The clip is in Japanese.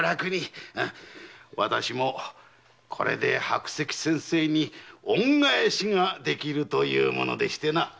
私もこれで白石先生に恩返しができるというもの。